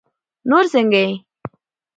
نور څنګه يې؟